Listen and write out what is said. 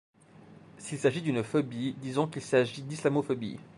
S'il s'agit d'une phobie, disons qu'il s'agit d'islamophobie.